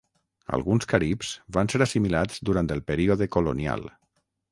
Alguns caribs van ser assimilats durant el període colonial.